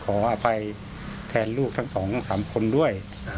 ขออภัยแทนลูกทั้งสอง๓คนด้วย